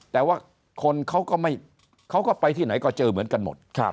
แต่ว่าคนเขาก็ไปที่ไหนก็เจอเหมือนกันหมด